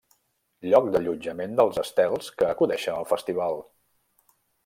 Lloc d'allotjament dels estels que acudeixen al Festival.